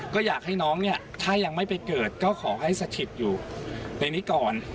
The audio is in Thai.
ก็อยากให้น้องเนี่ยถ้ายังไม่ไปเกิดก็ขอให้สถิตอยู่เพลงนี้ก่อน